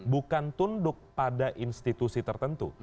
bukan tunduk pada institusi tertentu